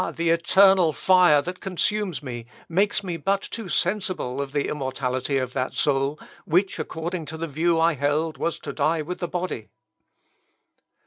the eternal fire that consumes me, makes me but too sensible of the immortality of that soul, which, according to the view I held, was to die with the body."